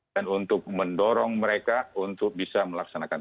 dan untuk mendorong mereka untuk bisa melaksanakan